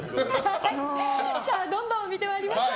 どんどん見てもらいましょう。